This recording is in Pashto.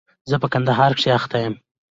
زه په کندهار کښي اخته يم.